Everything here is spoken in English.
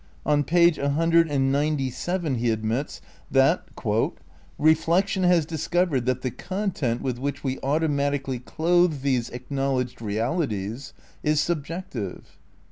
On page a hundred and ninety seven he admits that "reflection has discovered that the content with which we auto matically clothe these acknowledged realities is subjective."